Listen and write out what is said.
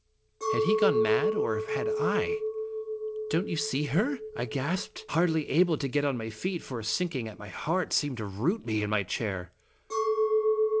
Had he gone mad, or had I? " Don't you see her?" I gasped, hardly able to get on my feet, for a sinking at my heart seemed to root me to my chair.